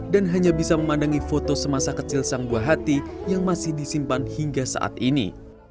dan hanya bisa memandangi foto semasa kecil sang buah hati yang masih disimpan hingga saat ini